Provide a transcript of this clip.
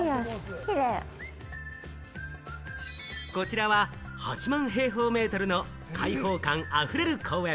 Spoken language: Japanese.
こちらは８万平方メートルの開放感あふれる公園。